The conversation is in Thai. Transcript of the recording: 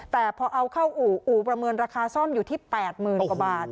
แต่พอเอาเข้าอู่อู่ประเมินราคาซ่อมอยู่ที่๘๐๐๐กว่าบาท